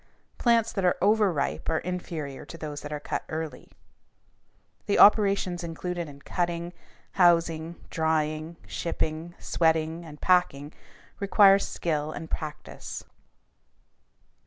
Plants that are overripe are inferior to those that are cut early. The operations included in cutting, housing, drying, shipping, sweating, and packing require skill and practice.